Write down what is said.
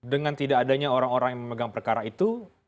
dengan tidak adanya orang orang yang memegang perkara itu